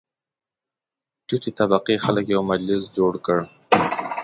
ټیټې طبقې خلک یو مجلس جوړ کړ.